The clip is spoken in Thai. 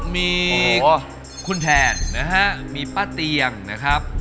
มีคุณแทนนะฮะมีป้าเตียงนะครับ